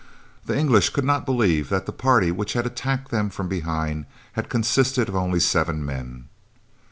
The English could not believe that the party which had attacked them from behind had consisted of only seven men.